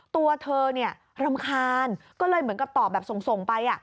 ตัวเธอรำคาญก็เลยเหมือนกับตอบแบบส่งไป